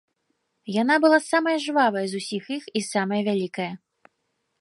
Яна была самая жвавая з усіх іх і самая вялікая.